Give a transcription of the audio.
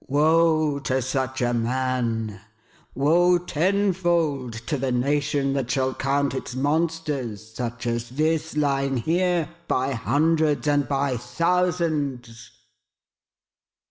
Woe to such a man ! Woe, tenfold, to the nation that shall count its monsters such as this, lying here, by hundreds, and by thousands